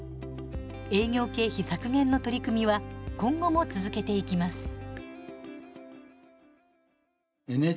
営業経費削減の取り組みは今後も続けていきます。